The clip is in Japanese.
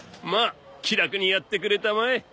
まあ気楽にやってくれたまえ。